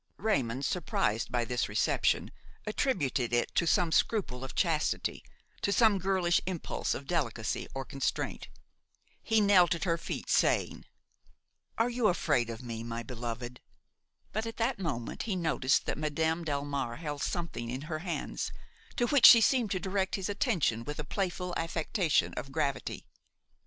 Raymon, surprised by this reception, attributed it to some scruple of chastity, to some girlish impulse of delicacy or constraint. He knelt at her feet, saying: "Are you afraid of me, my beloved?" But at that moment he noticed that Madame Delmare held something in her hands to which she seemed to direct his attention with a playful affectation of gravity.